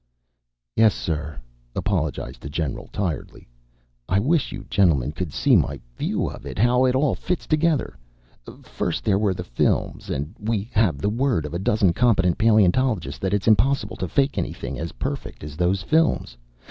"Yes, sir," apologized the general tiredly. "I wish you gentlemen could see my view of it, how it all fits together. First there were the films and we have the word of a dozen competent paleontologists that it's impossible to fake anything as perfect as those films.